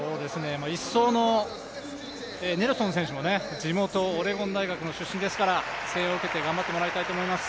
１走のネルソン選手も地元・オレゴン大学の出身ですから声援を受けて頑張ってもらいたいと思います。